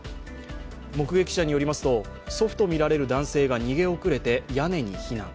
目撃者によりますと祖父とみられる男性が逃げ遅れて屋根に避難。